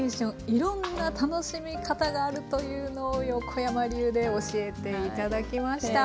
いろんな楽しみ方があるというのを横山流で教えて頂きました。